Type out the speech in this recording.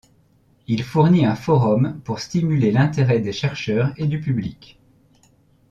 Il fournit un forum pour stimuler l'intérêt des chercheurs et du public.